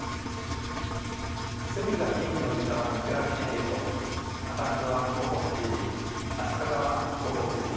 水位がピークの時間を見比べてみると高津戸は午後８時、足利は午後９時。